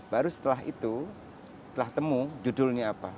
baru setelah itu setelah temu judulnya apa